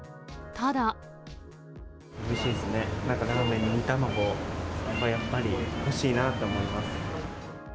さみしいですね、ラーメンに煮卵はやっぱり欲しいなと思います。